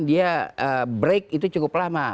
dia break itu cukup lama